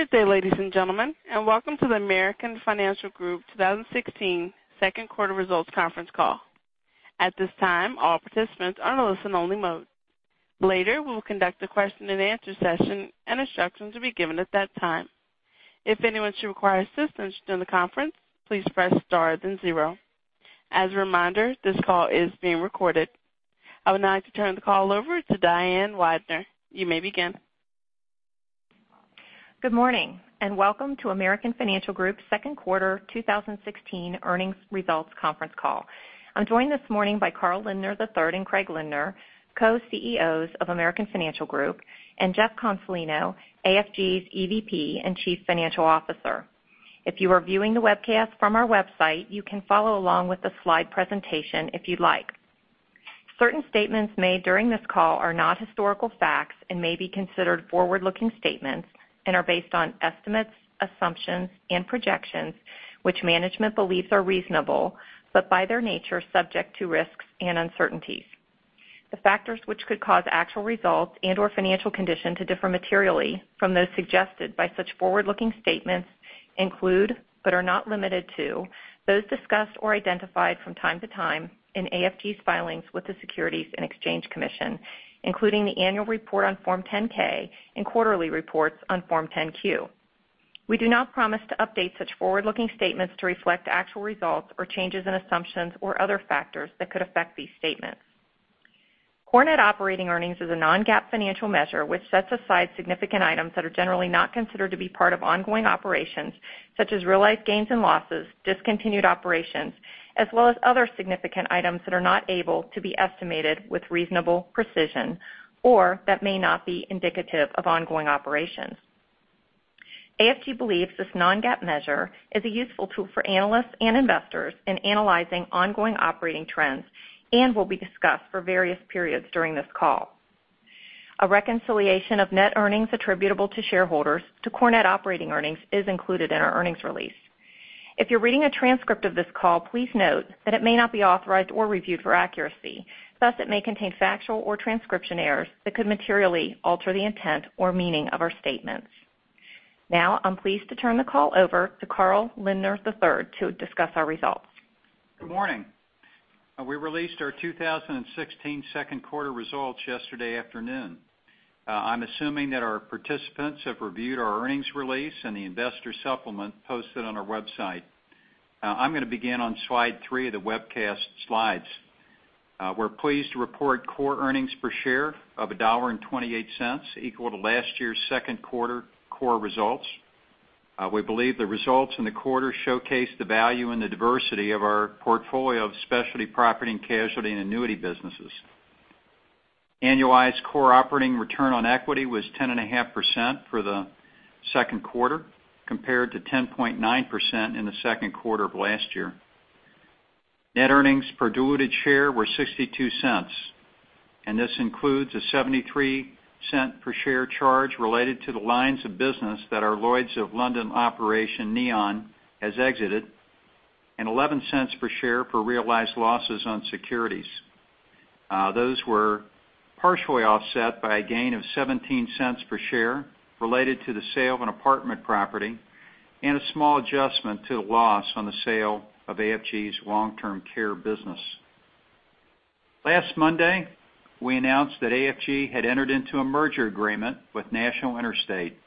Good day, ladies and gentlemen, and welcome to the American Financial Group 2016 second quarter results conference call. At this time, all participants are in listen only mode. Later, we will conduct a question and answer session, and instructions will be given at that time. If anyone should require assistance during the conference, please press star then zero. As a reminder, this call is being recorded. I would now like to turn the call over to Diane Weidner. You may begin. Good morning, and welcome to American Financial Group's second quarter 2016 earnings results conference call. I'm joined this morning by Carl Lindner III and Craig Lindner, Co-CEOs of American Financial Group, and Jeff Consolino, AFG's EVP and Chief Financial Officer. If you are viewing the webcast from our website, you can follow along with the slide presentation if you'd like. Certain statements made during this call are not historical facts and may be considered forward-looking statements and are based on estimates, assumptions, and projections which management believes are reasonable, but by their nature, subject to risks and uncertainties. The factors which could cause actual results and/or financial condition to differ materially from those suggested by such forward-looking statements include, but are not limited to, those discussed or identified from time to time in AFG's filings with the Securities and Exchange Commission, including the annual report on Form 10-K and quarterly reports on Form 10-Q. We do not promise to update such forward-looking statements to reflect actual results or changes in assumptions or other factors that could affect these statements. Core net operating earnings is a non-GAAP financial measure which sets aside significant items that are generally not considered to be part of ongoing operations, such as realized gains and losses, discontinued operations, as well as other significant items that are not able to be estimated with reasonable precision, or that may not be indicative of ongoing operations. AFG believes this non-GAAP measure is a useful tool for analysts and investors in analyzing ongoing operating trends and will be discussed for various periods during this call. A reconciliation of net earnings attributable to shareholders to core net operating earnings is included in our earnings release. If you're reading a transcript of this call, please note that it may not be authorized or reviewed for accuracy. It may contain factual or transcription errors that could materially alter the intent or meaning of our statements. I'm pleased to turn the call over to Carl Lindner III to discuss our results. Good morning. We released our 2016 second quarter results yesterday afternoon. I'm assuming that our participants have reviewed our earnings release and the investor supplement posted on our website. I'm going to begin on slide three of the webcast slides. We're pleased to report core earnings per share of $1.28, equal to last year's second quarter core results. We believe the results in the quarter showcase the value and the diversity of our portfolio of specialty property and casualty and annuity businesses. Annualized core operating return on equity was 10.5% for the second quarter, compared to 10.9% in the second quarter of last year. Net earnings per diluted share were $0.62. This includes a $0.73 per share charge related to the lines of business that our Lloyd's of London operation, Neon, has exited, and $0.11 per share for realized losses on securities. Those were partially offset by a gain of $0.17 per share related to the sale of an apartment property and a small adjustment to the loss on the sale of AFG's long-term care business. Last Monday, we announced that AFG had entered into a merger agreement with National Interstate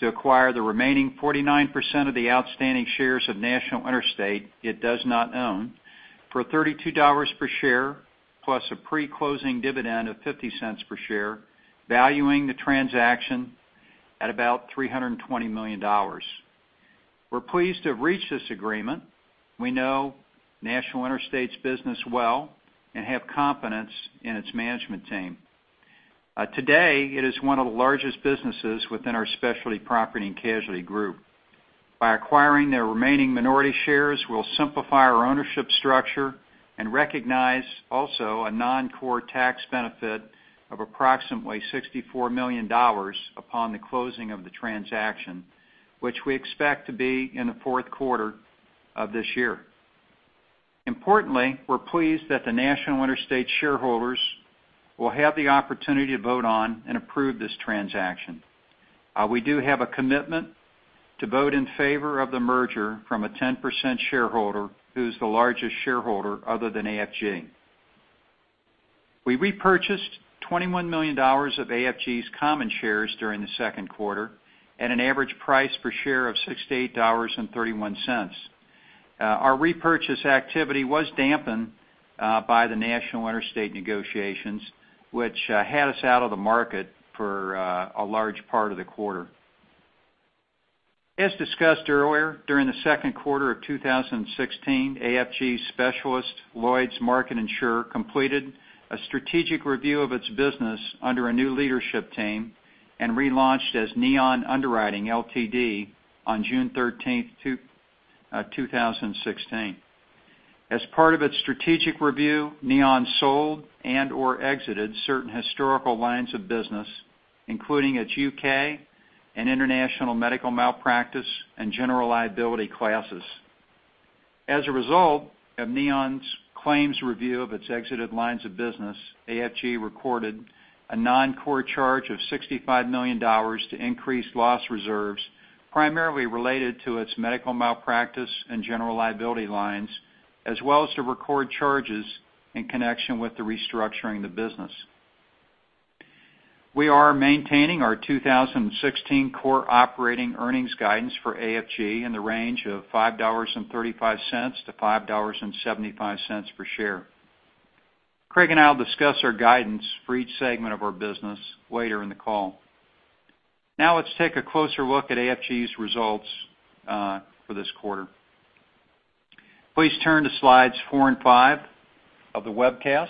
to acquire the remaining 49% of the outstanding shares of National Interstate it does not own for $32 per share, plus a pre-closing dividend of $0.50 per share, valuing the transaction at about $320 million. We're pleased to have reached this agreement. We know National Interstate's business well and have confidence in its management team. Today, it is one of the largest businesses within our specialty property and casualty group. By acquiring their remaining minority shares, we'll simplify our ownership structure and recognize also a non-core tax benefit of approximately $64 million upon the closing of the transaction, which we expect to be in the fourth quarter of this year. Importantly, we're pleased that the National Interstate shareholders will have the opportunity to vote on and approve this transaction. We do have a commitment to vote in favor of the merger from a 10% shareholder who's the largest shareholder other than AFG. We repurchased $21 million of AFG's common shares during the second quarter at an average price per share of $68.31. Our repurchase activity was dampened by the National Interstate negotiations, which had us out of the market for a large part of the quarter. As discussed earlier, during the second quarter of 2016, AFG Specialist Lloyd's Market Insurer completed a strategic review of its business under a new leadership team and relaunched as Neon Underwriting Ltd on June 13th, 2016. As part of its strategic review, Neon sold and/or exited certain historical lines of business, including its U.K. and international medical malpractice and general liability classes. As a result of Neon's claims review of its exited lines of business, AFG recorded a non-core charge of $65 million to increase loss reserves, primarily related to its medical malpractice and general liability lines, as well as to record charges in connection with the restructuring the business. We are maintaining our 2016 core operating earnings guidance for AFG in the range of $5.35-$5.75 per share. Craig I'll discuss our guidance for each segment of our business later in the call. Now let's take a closer look at AFG's results for this quarter. Please turn to slides four and five of the webcast,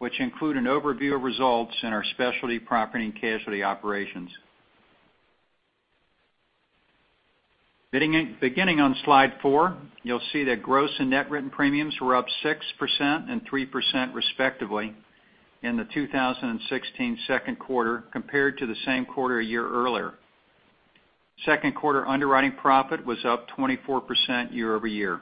which include an overview of results in our specialty property and casualty operations. Beginning on slide four, you'll see that gross and net written premiums were up 6% and 3% respectively in the 2016 second quarter compared to the same quarter a year earlier. Second quarter underwriting profit was up 24% year-over-year.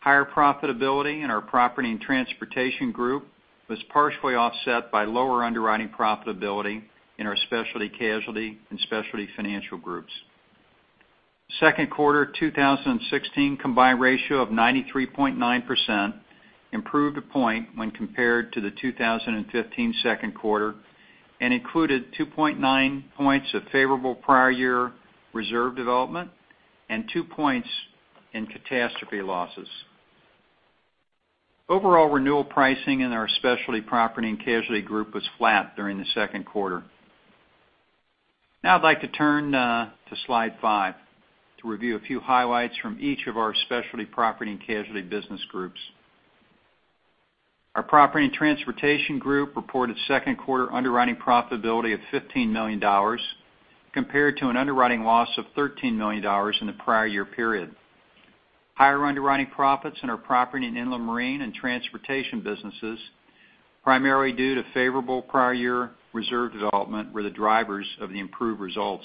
Higher profitability in our property and transportation group was partially offset by lower underwriting profitability in our specialty casualty and specialty financial groups. Second quarter 2016 combined ratio of 93.9% improved a point when compared to the 2015 second quarter and included 2.9 points of favorable prior year reserve development and two points in catastrophe losses. Overall renewal pricing in our specialty property and casualty group was flat during the second quarter. Now I'd like to turn to slide five to review a few highlights from each of our specialty property and casualty business groups. Our property and transportation group reported second quarter underwriting profitability of $15 million compared to an underwriting loss of $13 million in the prior year period. Higher underwriting profits in our property and inland marine and transportation businesses, primarily due to favorable prior year reserve development, were the drivers of the improved results.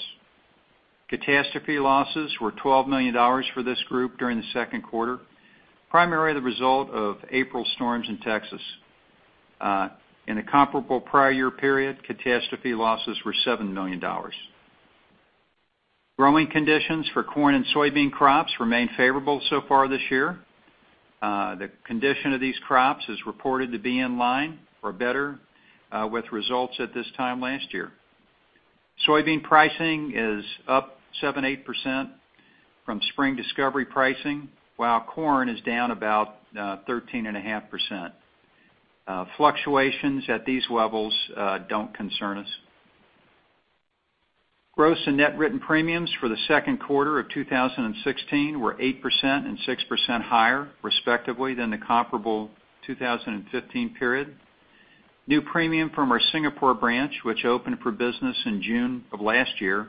Catastrophe losses were $12 million for this group during the second quarter, primarily the result of April storms in Texas. In the comparable prior year period, catastrophe losses were $7 million. Growing conditions for corn and soybean crops remain favorable so far this year. The condition of these crops is reported to be in line or better with results at this time last year. Soybean pricing is up 7%, 8% from spring discovery pricing, while corn is down about 13.5%. Fluctuations at these levels don't concern us. Gross and net written premiums for the second quarter of 2016 were 8% and 6% higher, respectively, than the comparable 2015 period. New premium from our Singapore branch, which opened for business in June of last year,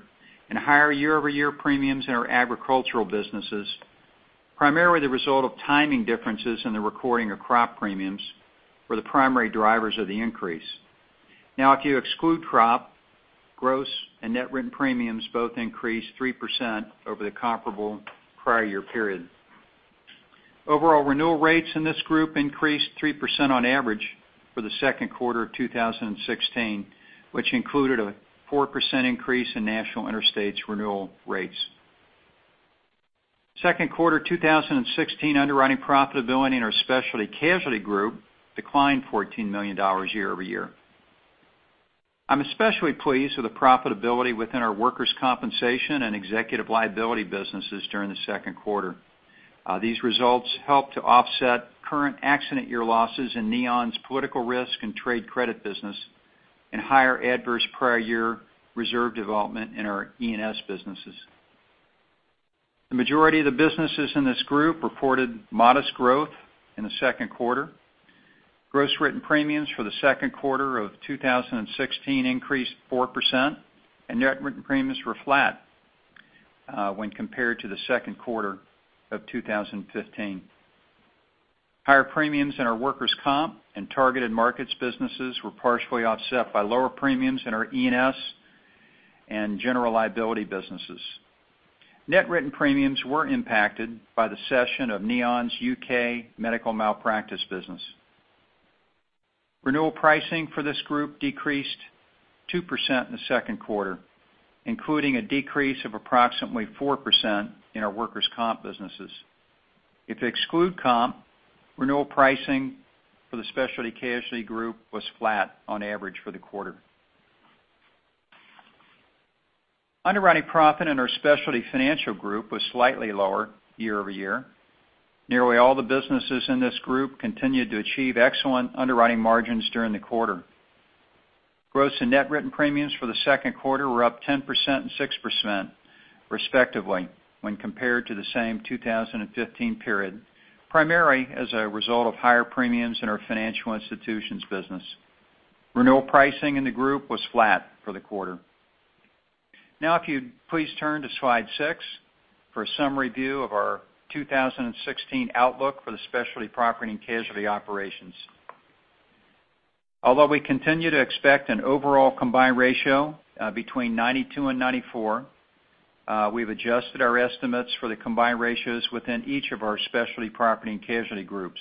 and higher year-over-year premiums in our agricultural businesses, primarily the result of timing differences in the recording of crop premiums, were the primary drivers of the increase. If you exclude crop, gross and net written premiums both increased 3% over the comparable prior year period. Overall renewal rates in this group increased 3% on average for the second quarter of 2016, which included a 4% increase in National Interstate's renewal rates. Second quarter 2016 underwriting profitability in our specialty casualty group declined $14 million year-over-year. I'm especially pleased with the profitability within our workers' compensation and executive liability businesses during the second quarter. These results help to offset current accident year losses in Neon's political risk and trade credit business and higher adverse prior year reserve development in our E&S businesses. The majority of the businesses in this group reported modest growth in the second quarter. Gross written premiums for the second quarter of 2016 increased 4%, and net written premiums were flat when compared to the second quarter of 2015. Higher premiums in our workers' comp and targeted markets businesses were partially offset by lower premiums in our E&S and general liability businesses. Net written premiums were impacted by the cession of Neon's U.K. medical malpractice business. Renewal pricing for this group decreased 2% in the second quarter, including a decrease of approximately 4% in our workers' comp businesses. If you exclude comp, renewal pricing for the specialty casualty group was flat on average for the quarter. Underwriting profit in our specialty financial group was slightly lower year-over-year. Nearly all the businesses in this group continued to achieve excellent underwriting margins during the quarter. Gross and net written premiums for the second quarter were up 10% and 6% respectively when compared to the same 2015 period, primarily as a result of higher premiums in our financial institutions business. Renewal pricing in the group was flat for the quarter. If you'd please turn to slide six for a summary view of our 2016 outlook for the specialty property and casualty operations. Although we continue to expect an overall combined ratio between 92%-94%, we've adjusted our estimates for the combined ratios within each of our specialty property and casualty groups.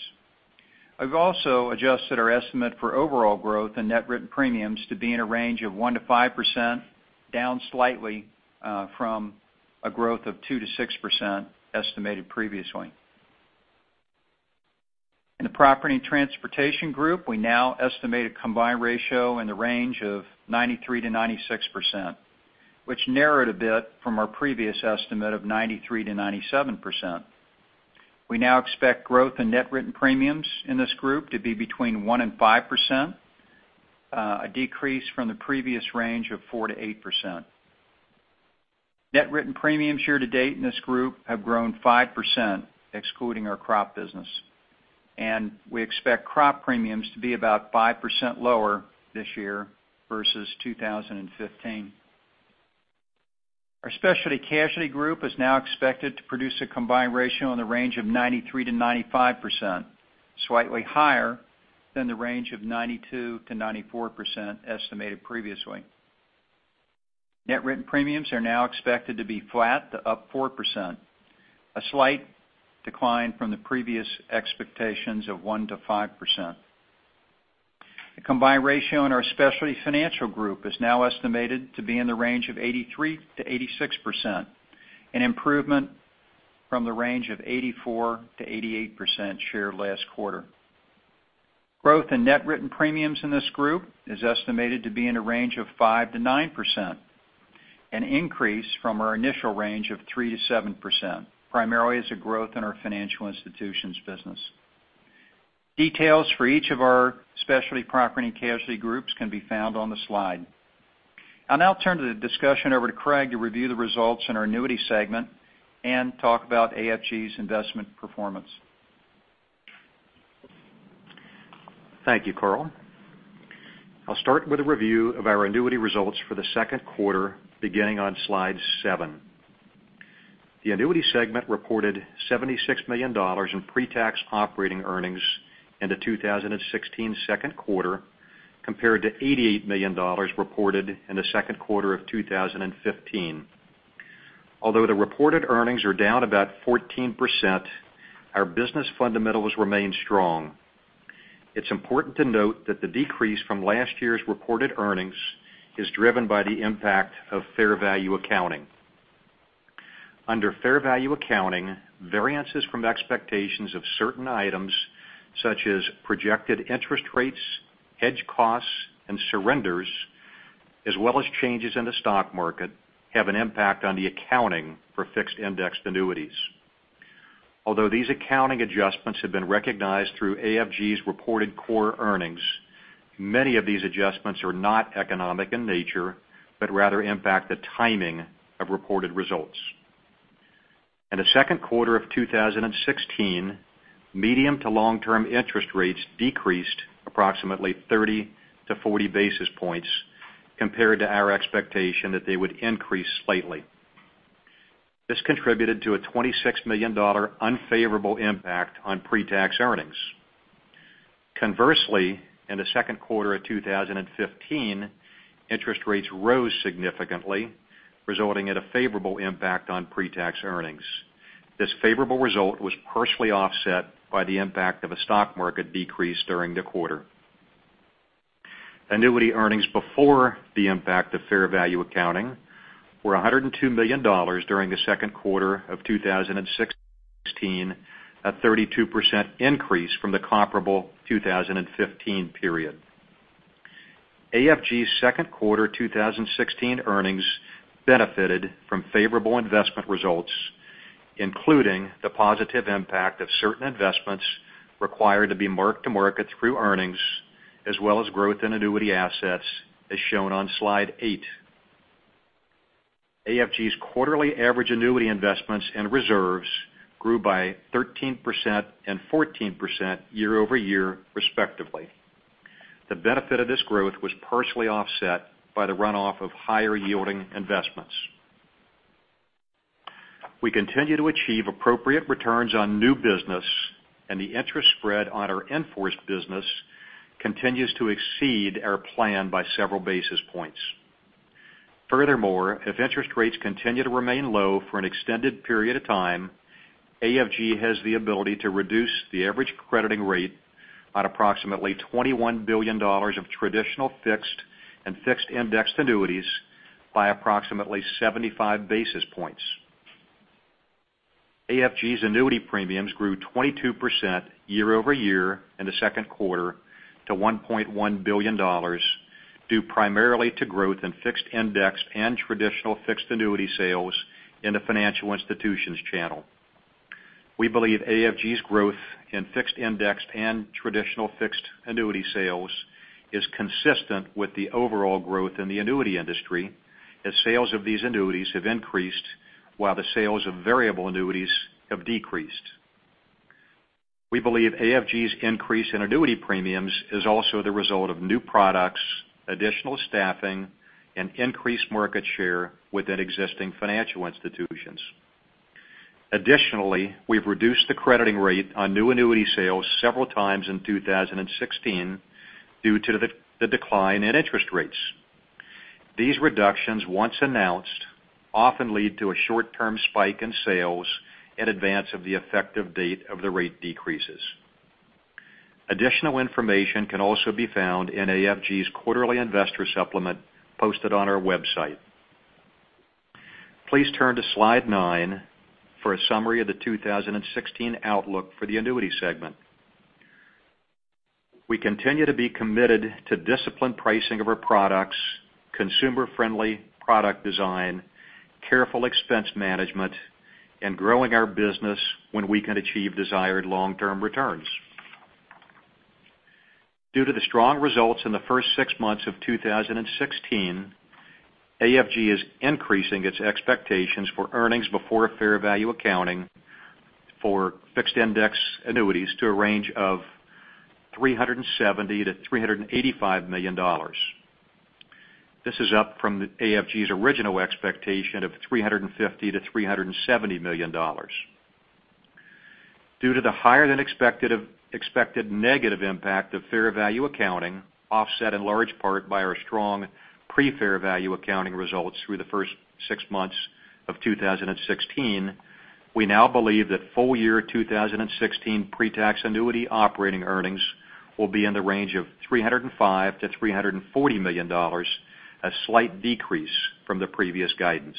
We've also adjusted our estimate for overall growth in net written premiums to be in a range of 1%-5%, down slightly from a growth of 2%-6% estimated previously. In the property and transportation group, we now estimate a combined ratio in the range of 93%-96%, which narrowed a bit from our previous estimate of 93%-97%. We now expect growth in net written premiums in this group to be between 1% and 5%, a decrease from the previous range of 4%-8%. Net written premiums year-to-date in this group have grown 5%, excluding our crop business, and we expect crop premiums to be about 5% lower this year versus 2015. Our specialty casualty group is now expected to produce a combined ratio in the range of 93%-95%, slightly higher than the range of 92%-94% estimated previously. Net written premiums are now expected to be flat to up 4%, a slight decline from the previous expectations of 1%-5%. The combined ratio in our specialty financial group is now estimated to be in the range of 83%-86%, an improvement from the range of 84%-88% shared last quarter. Growth in net written premiums in this group is estimated to be in a range of 5%-9%, an increase from our initial range of 3%-7%, primarily as a growth in our financial institutions business. Details for each of our specialty property and casualty groups can be found on the slide. I'll turn the discussion over to Craig to review the results in our annuity segment and talk about AFG's investment performance. Thank you, Carl. I'll start with a review of our annuity results for the second quarter, beginning on slide seven. The annuity segment reported $76 million in pre-tax operating earnings in the 2016 second quarter, compared to $88 million reported in the second quarter of 2015. Although the reported earnings are down about 14%, our business fundamentals remain strong. It's important to note that the decrease from last year's reported earnings is driven by the impact of fair value accounting. Under fair value accounting, variances from expectations of certain items such as projected interest rates, hedge costs, and surrenders, as well as changes in the stock market, have an impact on the accounting for fixed-indexed annuities. Although these accounting adjustments have been recognized through AFG's reported core earnings, many of these adjustments are not economic in nature, but rather impact the timing of reported results. In the second quarter of 2016, medium to long-term interest rates decreased approximately 30-40 basis points compared to our expectation that they would increase slightly. This contributed to a $26 million unfavorable impact on pre-tax earnings. Conversely, in the second quarter of 2015, interest rates rose significantly, resulting in a favorable impact on pre-tax earnings. This favorable result was partially offset by the impact of a stock market decrease during the quarter. Annuity earnings before the impact of fair value accounting were $102 million during the second quarter of 2016, a 32% increase from the comparable 2015 period. AFG's second quarter 2016 earnings benefited from favorable investment results, including the positive impact of certain investments required to be marked to market through earnings, as well as growth in annuity assets, as shown on slide eight. AFG's quarterly average annuity investments and reserves grew by 13% and 14% year-over-year, respectively. The benefit of this growth was partially offset by the runoff of higher-yielding investments. We continue to achieve appropriate returns on new business, and the interest spread on our in-force business continues to exceed our plan by several basis points. Furthermore, if interest rates continue to remain low for an extended period of time, AFG has the ability to reduce the average crediting rate on approximately $21 billion of traditional fixed and fixed-indexed annuities by approximately 75 basis points. AFG's annuity premiums grew 22% year-over-year in the second quarter to $1.1 billion, due primarily to growth in fixed-indexed and traditional fixed annuity sales in the financial institutions channel. We believe AFG's growth in fixed-indexed and traditional fixed annuity sales is consistent with the overall growth in the annuity industry, as sales of these annuities have increased while the sales of variable annuities have decreased. We believe AFG's increase in annuity premiums is also the result of new products, additional staffing, and increased market share within existing financial institutions. Additionally, we've reduced the crediting rate on new annuity sales several times in 2016 due to the decline in interest rates. These reductions, once announced, often lead to a short-term spike in sales in advance of the effective date of the rate decreases. Additional information can also be found in AFG's quarterly investor supplement posted on our website. Please turn to Slide nine for a summary of the 2016 outlook for the annuity segment. We continue to be committed to disciplined pricing of our products, consumer-friendly product design, careful expense management, and growing our business when we can achieve desired long-term returns. Due to the strong results in the first six months of 2016, AFG is increasing its expectations for earnings before fair value accounting for fixed index annuities to a range of $370 million-$385 million. This is up from AFG's original expectation of $350 million-$370 million. Due to the higher-than-expected negative impact of fair value accounting, offset in large part by our strong pre-fair value accounting results through the first six months of 2016, we now believe that full-year 2016 pre-tax annuity operating earnings will be in the range of $305 million-$340 million, a slight decrease from the previous guidance.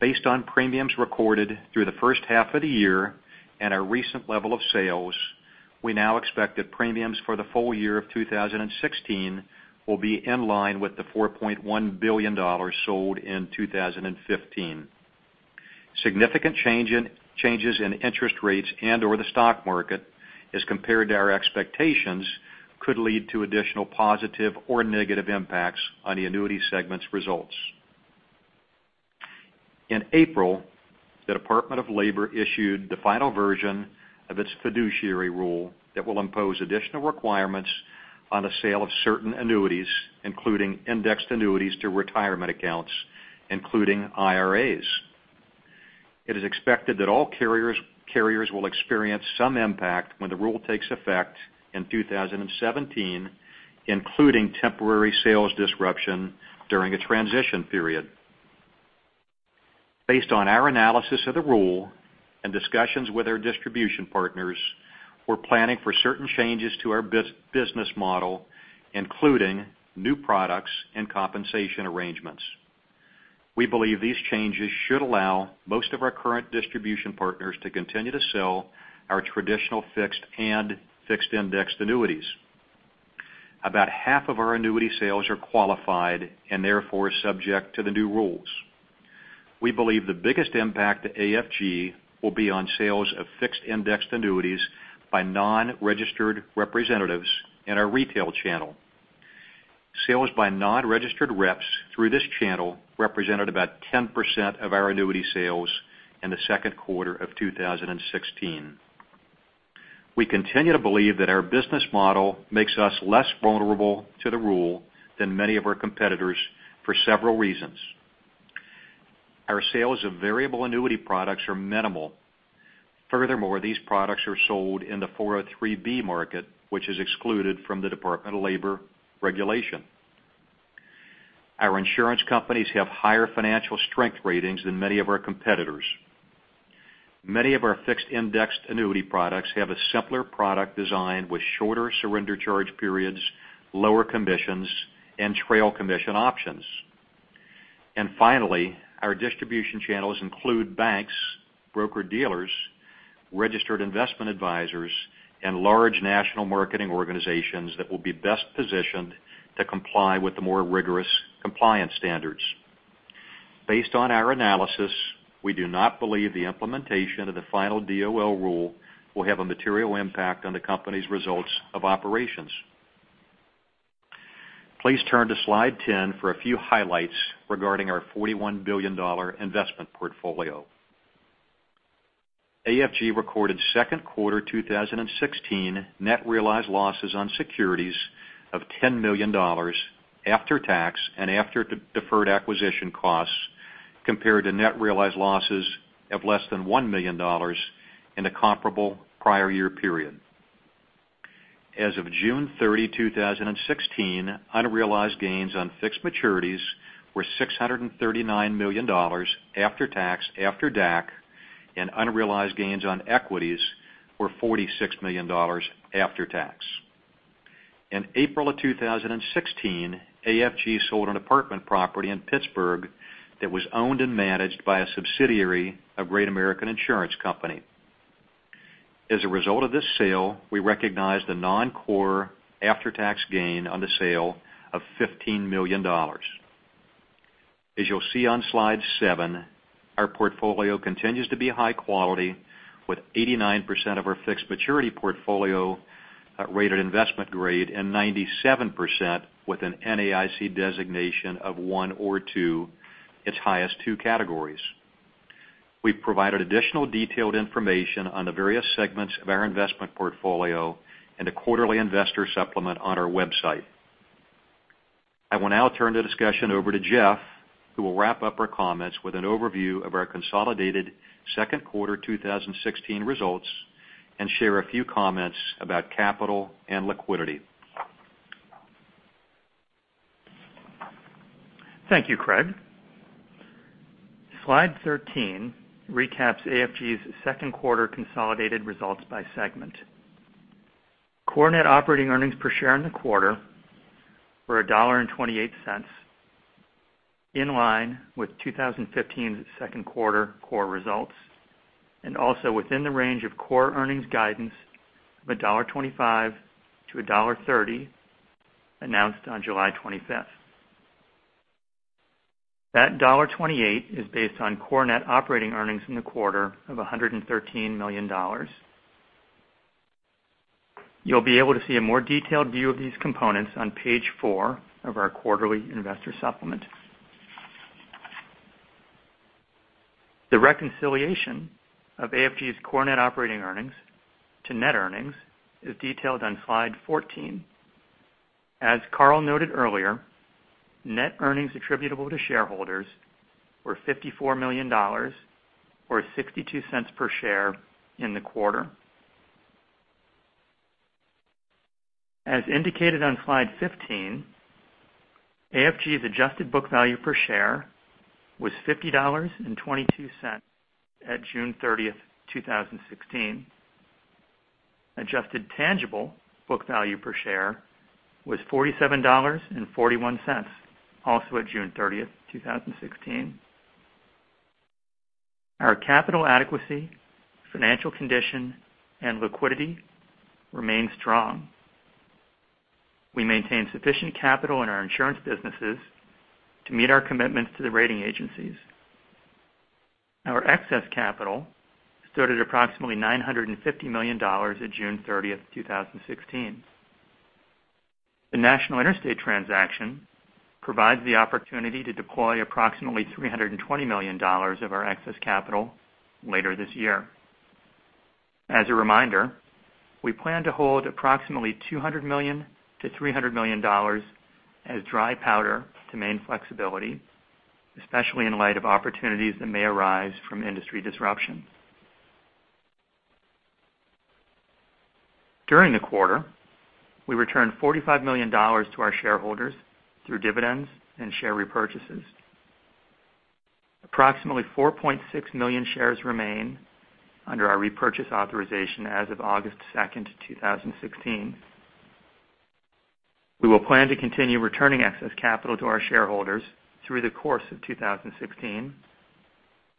Based on premiums recorded through the first half of the year and our recent level of sales, we now expect that premiums for the full year of 2016 will be in line with the $4.1 billion sold in 2015. Significant changes in interest rates and/or the stock market as compared to our expectations could lead to additional positive or negative impacts on the annuity segment's results. In April, the Department of Labor issued the final version of its fiduciary rule that will impose additional requirements on the sale of certain annuities, including indexed annuities to retirement accounts, including IRAs. It is expected that all carriers will experience some impact when the rule takes effect in 2017, including temporary sales disruption during a transition period. Based on our analysis of the rule and discussions with our distribution partners, we're planning for certain changes to our business model, including new products and compensation arrangements. We believe these changes should allow most of our current distribution partners to continue to sell our traditional fixed and fixed indexed annuities. About half of our annuity sales are qualified and therefore subject to the new rules. We believe the biggest impact to AFG will be on sales of fixed indexed annuities by non-registered representatives in our retail channel. Sales by non-registered reps through this channel represented about 10% of our annuity sales in the second quarter of 2016. We continue to believe that our business model makes us less vulnerable to the rule than many of our competitors for several reasons. Our sales of variable annuity products are minimal. Furthermore, these products are sold in the 403 market, which is excluded from the Department of Labor regulation. Our insurance companies have higher financial strength ratings than many of our competitors. Many of our fixed indexed annuity products have a simpler product design with shorter surrender charge periods, lower commissions, and trail commission options. Finally, our distribution channels include banks, broker-dealers, registered investment advisors, and large national marketing organizations that will be best positioned to comply with the more rigorous compliance standards. Based on our analysis, we do not believe the implementation of the final DOL rule will have a material impact on the company's results of operations. Please turn to Slide 10 for a few highlights regarding our $41 billion investment portfolio. AFG recorded second quarter 2016 net realized losses on securities of $10 million after tax and after deferred acquisition costs, compared to net realized losses of less than $1 million in the comparable prior year period. As of June 30, 2016, unrealized gains on fixed maturities were $639 million after tax, after DAC, and unrealized gains on equities were $46 million after tax. In April of 2016, AFG sold an apartment property in Pittsburgh that was owned and managed by a subsidiary of Great American Insurance Company. As a result of this sale, we recognized a non-core after-tax gain on the sale of $15 million. As you'll see on Slide seven, our portfolio continues to be high quality, with 89% of our fixed maturity portfolio rated investment-grade and 97% with an NAIC designation of one or two, its highest two categories. We've provided additional detailed information on the various segments of our investment portfolio in the quarterly investor supplement on our website. I will now turn the discussion over to Jeff, who will wrap up our comments with an overview of our consolidated second quarter 2016 results and share a few comments about capital and liquidity. Thank you, Craig. Slide 13 recaps AFG's second quarter consolidated results by segment. Core net operating earnings per share in the quarter were $1.28, in line with 2015's second quarter core results, also within the range of core earnings guidance of $1.25-$1.30 announced on July 25th. That $1.28 is based on core net operating earnings in the quarter of $113 million. You'll be able to see a more detailed view of these components on page four of our quarterly investor supplement. The reconciliation of AFG's core net operating earnings to net earnings is detailed on slide 14. As Carl noted earlier, net earnings attributable to shareholders were $54 million, or $0.62 per share in the quarter. As indicated on slide 15, AFG's adjusted book value per share was $50.22 at June 30th, 2016. Adjusted tangible book value per share was $47.41, also at June 30th, 2016. Our capital adequacy, financial condition, and liquidity remain strong. We maintain sufficient capital in our insurance businesses to meet our commitments to the rating agencies. Our excess capital stood at approximately $950 million on June 30th, 2016. The National Interstate transaction provides the opportunity to deploy approximately $320 million of our excess capital later this year. As a reminder, we plan to hold approximately $200 million-$300 million as dry powder to main flexibility, especially in light of opportunities that may arise from industry disruptions. During the quarter, we returned $45 million to our shareholders through dividends and share repurchases. Approximately 4.6 million shares remain under our repurchase authorization as of August 2nd, 2016. We will plan to continue returning excess capital to our shareholders through the course of 2016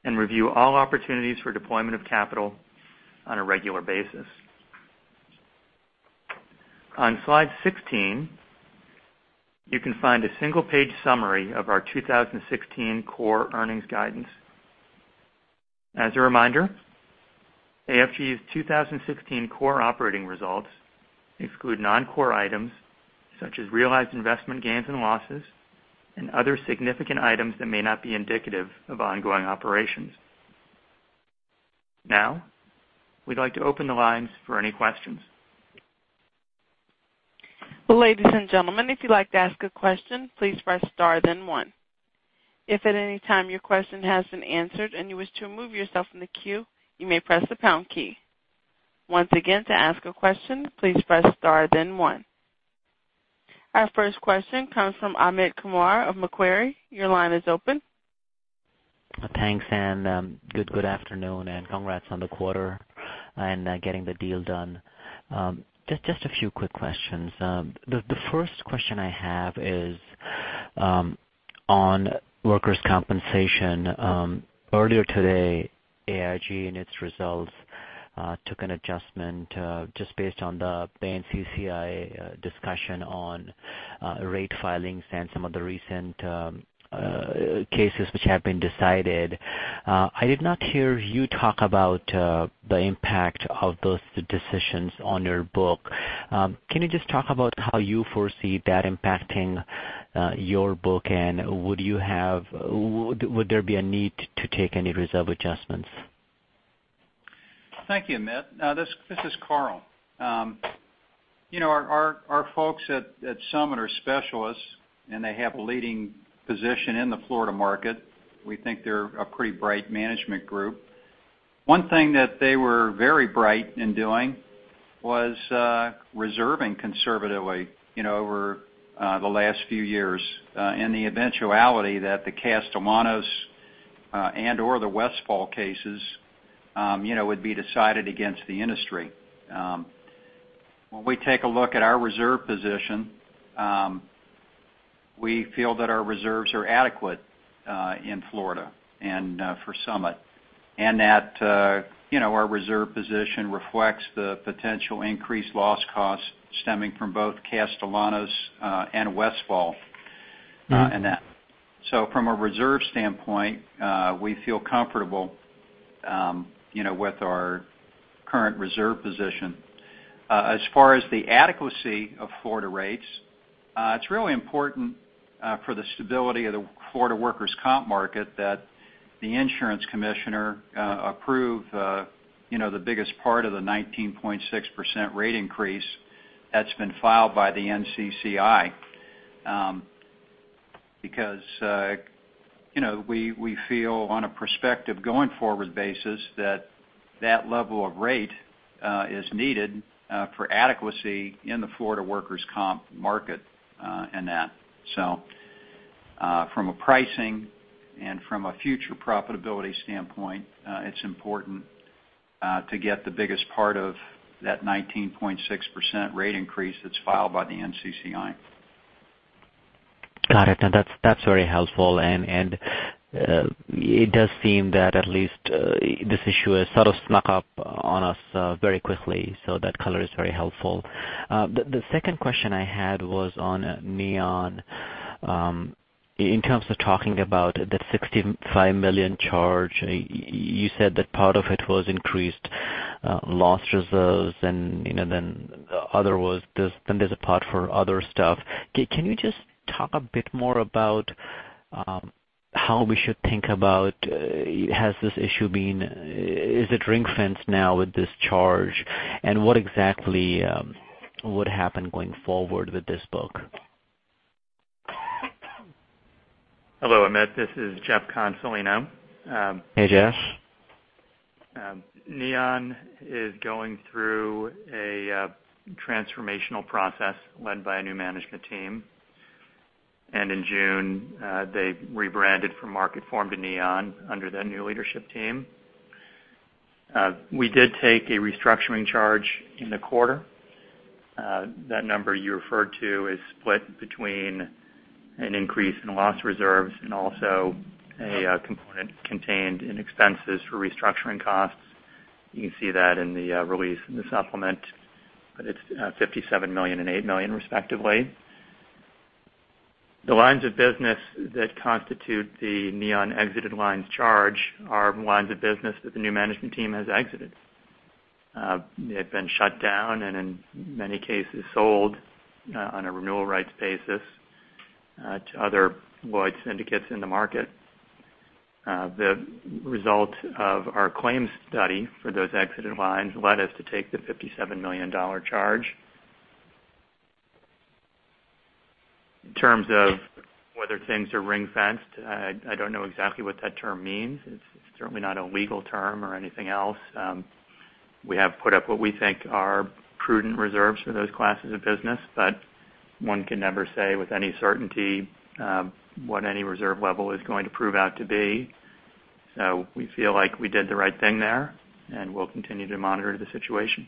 and review all opportunities for deployment of capital on a regular basis. On slide 16, you can find a single-page summary of our 2016 core earnings guidance. As a reminder, AFG's 2016 core operating results exclude non-core items such as realized investment gains and losses, and other significant items that may not be indicative of ongoing operations. We'd like to open the lines for any questions. Ladies and gentlemen, if you'd like to ask a question, please press star then one. If at any time your question has been answered and you wish to remove yourself from the queue, you may press the pound key. Once again, to ask a question, please press star then one. Our first question comes from Amit Kumar of Macquarie. Your line is open. Thanks, good afternoon, and congrats on the quarter and getting the deal done. Just a few quick questions. The first question I have is on workers' compensation. Earlier today, AIG, in its results, took an adjustment just based on the NCCI discussion on rate filings and some of the recent cases which have been decided. I did not hear you talk about the impact of those decisions on your book. Can you just talk about how you foresee that impacting your book, and would there be a need to take any reserve adjustments? Thank you, Amit. This is Carl. Our folks at Summit are specialists, and they have a leading position in the Florida market. We think they're a pretty bright management group. One thing that they were very bright in doing was reserving conservatively over the last few years in the eventuality that the Castellanos and/or the Westphal cases would be decided against the industry. When we take a look at our reserve position, we feel that our reserves are adequate in Florida and for Summit, and that our reserve position reflects the potential increased loss costs stemming from both Castellanos and Westphal in that. From a reserve standpoint, we feel comfortable with our current reserve position. As far as the adequacy of Florida rates, it's really important for the stability of the Florida workers' comp market that the insurance commissioner approve the biggest part of the 19.6% rate increase that's been filed by the NCCI. We feel on a prospective going forward basis that that level of rate is needed for adequacy in the Florida workers' comp market in that. From a pricing and from a future profitability standpoint, it's important to get the biggest part of that 19.6% rate increase that's filed by the NCCI. Got it. That's very helpful. It does seem that at least this issue has sort of snuck up on us very quickly, that color is very helpful. The second question I had was on Neon. In terms of talking about that $65 million charge, you said that part of it was increased loss reserves and then there's a part for other stuff. Can you just talk a bit more about how we should think about, is it ring-fence now with this charge? What exactly would happen going forward with this book? Hello, Amit, this is Jeff Consolino. Hey, Jeff. Neon is going through a transformational process led by a new management team. In June, they rebranded from Marketform to Neon under that new leadership team. We did take a restructuring charge in the quarter. That number you referred to is split between an increase in loss reserves and also a component contained in expenses for restructuring costs. You can see that in the release in the supplement, but it's $57 million and $8 million respectively. The lines of business that constitute the Neon exited lines charge are lines of business that the new management team has exited. They've been shut down and in many cases sold on a renewal rights basis to other Lloyd's syndicates in the market. The result of our claims study for those exited lines led us to take the $57 million charge. In terms of whether things are ring-fenced, I don't know exactly what that term means. It's certainly not a legal term or anything else. We have put up what we think are prudent reserves for those classes of business, but one can never say with any certainty what any reserve level is going to prove out to be. We feel like we did the right thing there, and we'll continue to monitor the situation.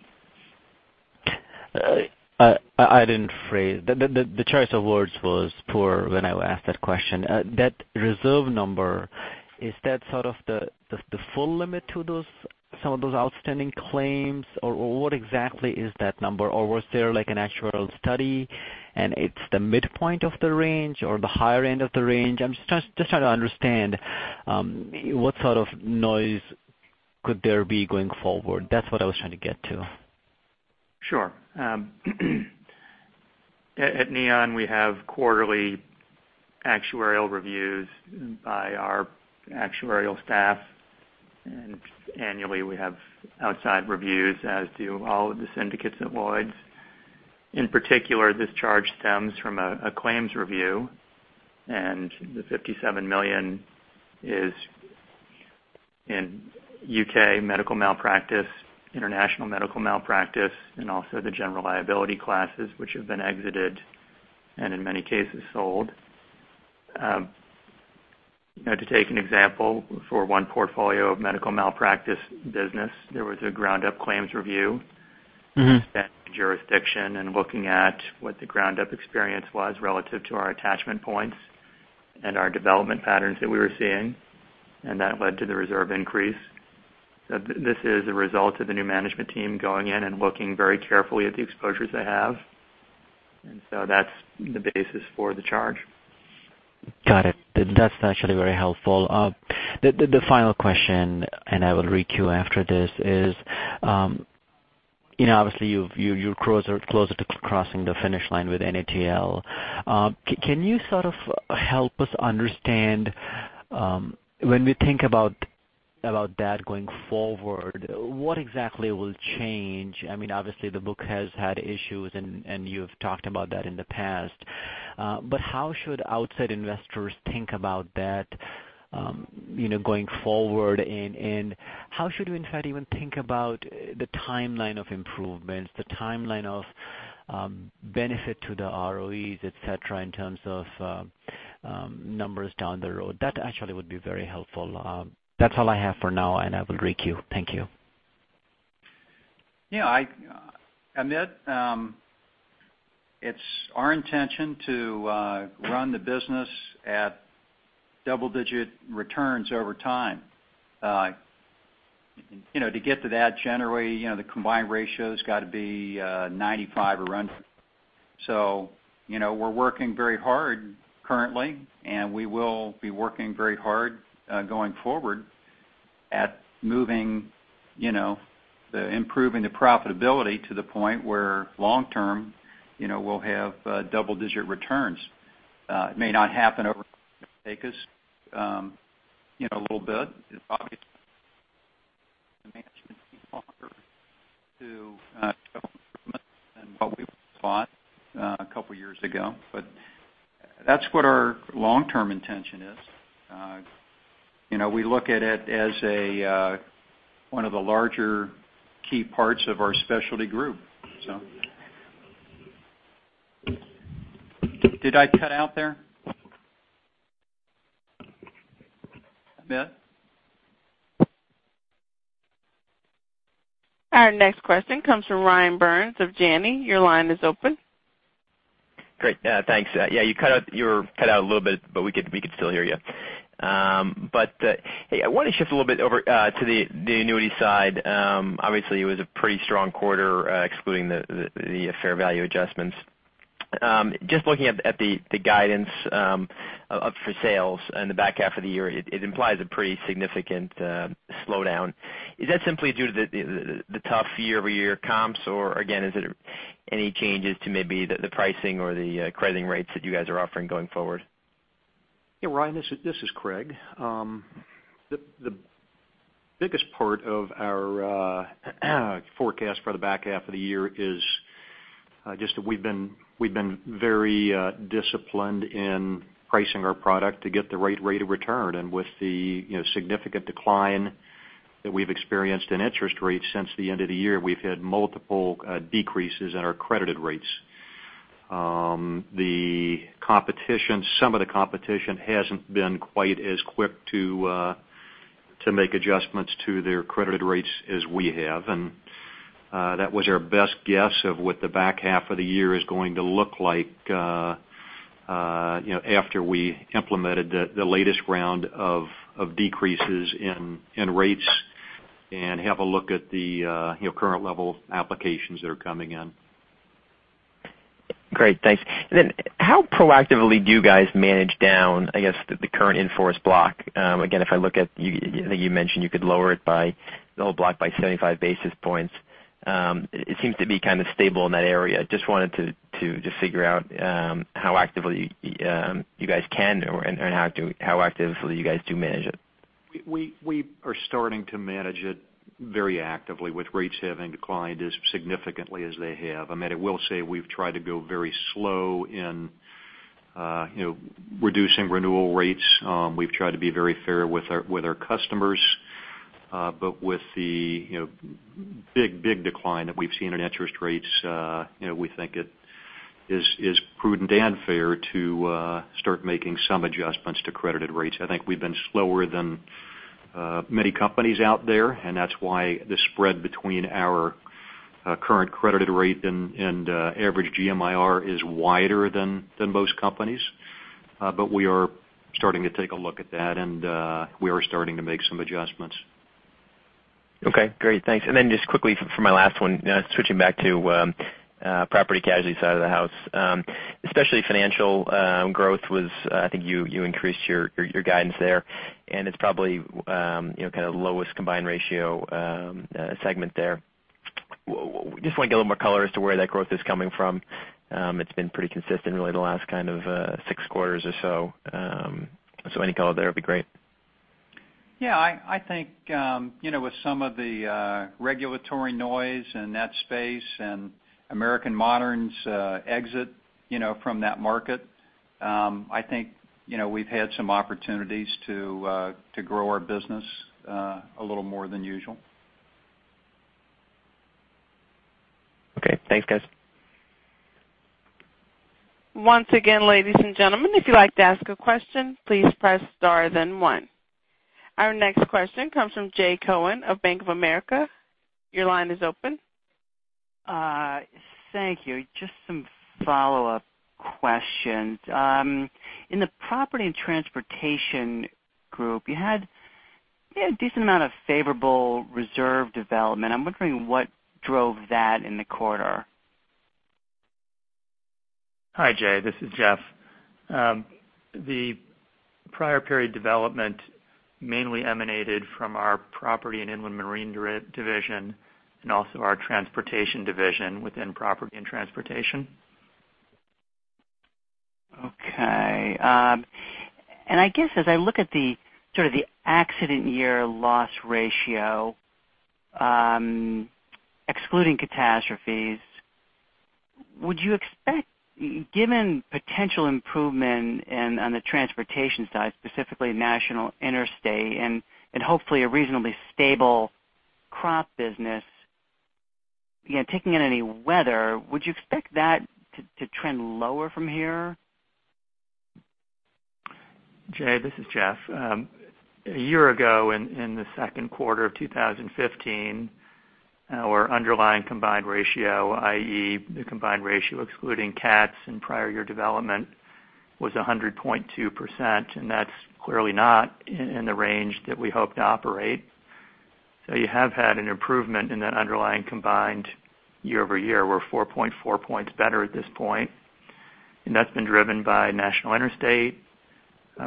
The choice of words was poor when I asked that question. That reserve number, is that sort of the full limit to some of those outstanding claims, or what exactly is that number? Was there an actuarial study and it's the midpoint of the range or the higher end of the range? I'm just trying to understand what sort of noise could there be going forward. That's what I was trying to get to. Sure. At Neon, we have quarterly actuarial reviews by our actuarial staff, and annually we have outside reviews as do all of the syndicates at Lloyd's. In particular, this charge stems from a claims review, and the $57 million is in U.K. medical malpractice, international medical malpractice, and also the general liability classes, which have been exited, and in many cases sold. To take an example, for one portfolio of medical malpractice business, there was a ground-up claims review. That jurisdiction and looking at what the ground-up experience was relative to our attachment points and our development patterns that we were seeing. That led to the reserve increase. This is a result of the new management team going in and looking very carefully at the exposures they have. That's the basis for the charge. Got it. That's actually very helpful. The final question, I will re-queue after this, is obviously you're closer to crossing the finish line with NATL. Can you sort of help us understand when we think about that going forward, what exactly will change? Obviously, the book has had issues and you've talked about that in the past. How should outside investors think about that going forward, and how should we, in fact, even think about the timeline of improvements, the timeline of benefit to the ROEs, et cetera, in terms of numbers down the road? That actually would be very helpful. That's all I have for now, I will re-queue. Thank you. Amit, it's our intention to run the business at double-digit returns over time. To get to that, generally, the combined ratio's got to be 95 or under. We're working very hard currently, we will be working very hard going forward at moving, improving the profitability to the point where long-term, we'll have double-digit returns. It may not happen over, take us a little bit. The management team longer to development than what we thought a couple of years ago. That's what our long-term intention is. We look at it as one of the larger key parts of our specialty group. Did I cut out there? Amit? Our next question comes from Ryan Byrnes of Janney. Your line is open. Great. Thanks. You were cut out a little bit, but we could still hear you. Hey, I want to shift a little bit over to the annuity side. Obviously, it was a pretty strong quarter, excluding the fair value adjustments. Just looking at the guidance up for sales in the back half of the year, it implies a pretty significant slowdown. Is that simply due to the tough year-over-year comps, again, is it any changes to maybe the pricing or the crediting rates that you guys are offering going forward? Yeah, Ryan, this is Craig. The biggest part of our forecast for the back half of the year is just that we've been very disciplined in pricing our product to get the right rate of return. With the significant decline that we've experienced in interest rates since the end of the year, we've had multiple decreases in our credited rates. Some of the competition hasn't been quite as quick to make adjustments to their credited rates as we have. That was our best guess of what the back half of the year is going to look like after we implemented the latest round of decreases in rates and have a look at the current level applications that are coming in. Great, thanks. How proactively do you guys manage down, I guess, the current in-force block? If I look at, I think you mentioned you could lower the whole block by 75 basis points. It seems to be kind of stable in that area. Wanted to figure out how actively you guys can or how actively you guys do manage it. We are starting to manage it very actively with rates having declined as significantly as they have. I mean, I will say we've tried to go very slow in reducing renewal rates. We've tried to be very fair with our customers. With the big decline that we've seen in interest rates, we think it is prudent and fair to start making some adjustments to credited rates. I think we've been slower than many companies out there, and that's why the spread between our current credited rate and average GMIR is wider than most companies. We are starting to take a look at that, and we are starting to make some adjustments. Okay, great. Thanks. Then just quickly for my last one, switching back to Property Casualty side of the house. Especially financial growth was, I think you increased your guidance there, and it's probably kind of lowest combined ratio segment there. Just want to get a little more color as to where that growth is coming from. It has been pretty consistent really the last kind of six quarters or so. Any color there would be great. Yeah, I think, with some of the regulatory noise in that space and American Modern's exit from that market, I think we've had some opportunities to grow our business a little more than usual. Okay, thanks, guys. Once again, ladies and gentlemen, if you'd like to ask a question, please press star then one. Our next question comes from Jay Cohen of Bank of America. Your line is open. Thank you. Just some follow-up questions. In the Property and Transportation Group, you had a decent amount of favorable reserve development. I'm wondering what drove that in the quarter. Hi, Jay, this is Jeff. The prior period development mainly emanated from our Property and Inland Marine division and also our Transportation division within Property and Transportation. Okay. I guess as I look at the sort of the accident year loss ratio, excluding catastrophes, would you expect, given potential improvement on the Transportation side, specifically National Interstate, and hopefully a reasonably stable crop business, taking in any weather, would you expect that to trend lower from here? Jay, this is Jeff. A year ago, in the second quarter of 2015, our underlying combined ratio, i.e., the combined ratio excluding cats and prior year development, was 100.2%. That's clearly not in the range that we hope to operate. You have had an improvement in that underlying combined year-over-year. We're 4.4 points better at this point. That's been driven by National Interstate,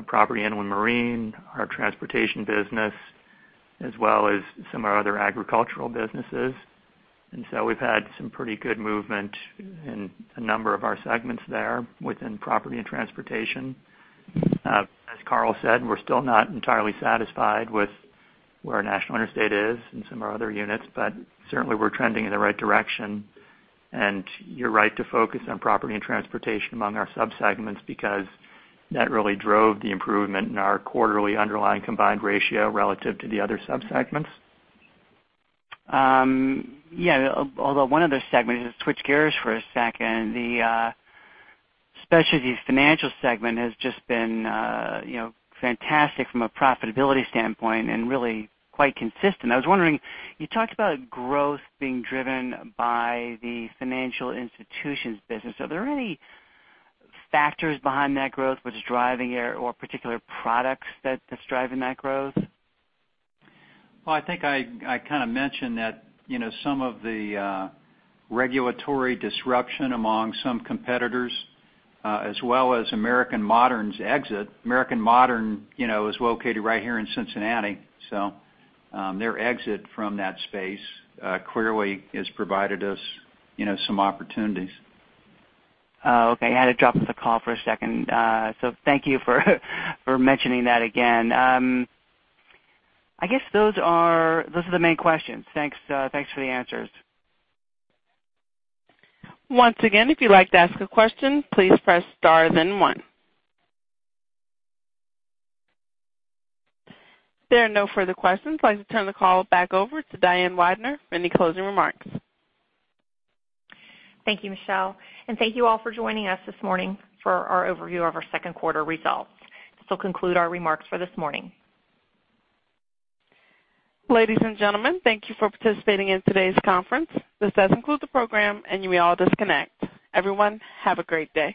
Property Inland Marine, our Transportation business, as well as some of our other agricultural businesses. We've had some pretty good movement in a number of our segments there within property and transportation. As Carl said, we're still not entirely satisfied with where National Interstate is and some of our other units, but certainly we're trending in the right direction. You're right to focus on property and transportation among our sub-segments because that really drove the improvement in our quarterly underlying combined ratio relative to the other sub-segments. Although one other segment, just switch gears for a second, the specialty financial segment has just been fantastic from a profitability standpoint and really quite consistent. I was wondering, you talked about growth being driven by the financial institutions business. Are there any factors behind that growth which is driving it or particular products that's driving that growth? I think I kind of mentioned that some of the regulatory disruption among some competitors, as well as American Modern's exit. American Modern is located right here in Cincinnati, so their exit from that space clearly has provided us some opportunities. I had to drop off the call for a second. Thank you for mentioning that again. I guess those are the main questions. Thanks for the answers. Once again, if you'd like to ask a question, please press star then one. There are no further questions. I'd like to turn the call back over to Diane Widner for any closing remarks. Thank you, Michelle, and thank you all for joining us this morning for our overview of our second quarter results. This will conclude our remarks for this morning. Ladies and gentlemen, thank you for participating in today's conference. This does conclude the program, and you may all disconnect. Everyone, have a great day.